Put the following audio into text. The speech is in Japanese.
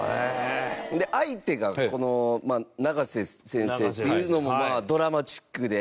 相手が永瀬先生っていうのもドラマチックで。